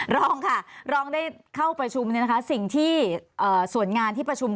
รองค่ะรองได้เข้าประชุมสิ่งที่ส่วนงานที่ประชุม